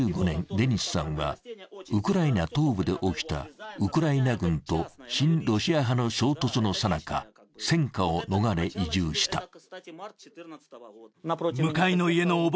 ２０１５年、デニスさんはウクライナ東部で起きたウクライナ軍と親ロシア派の衝突のさなか、戦禍を逃れ、移住した。